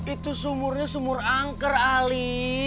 itu sumurnya sumur angker ali